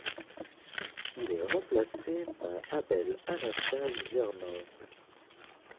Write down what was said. Il est remplacé par Abel-Anastase Germain.